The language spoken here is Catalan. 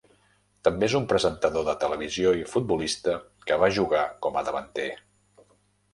També és un presentador de televisió i futbolista que va jugar com a davanter.